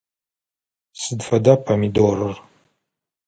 Сыд фэда помидорыр?